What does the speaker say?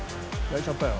焼いちゃったよ。